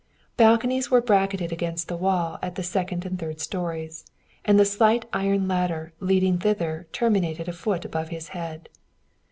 Balconies were bracketed against the wall at the second and third stories, and the slight iron ladder leading thither terminated a foot above his head.